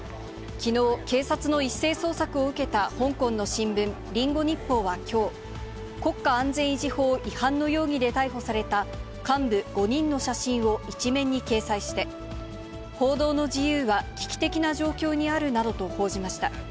きのう、警察の一斉捜索を受けた香港の新聞、リンゴ日報はきょう、国家安全維持法違反の容疑で逮捕された幹部５人の写真を一面に掲載して、報道の自由は危機的な状況にあるなどと報じました。